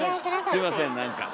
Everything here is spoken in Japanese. すいません何か。